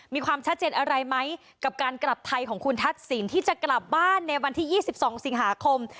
มีความชัดเจนอะไรไหมกับการกลับไทยของคุณทักษิณที่จะกลับบ้านในวันที่๒๒สิงหาคม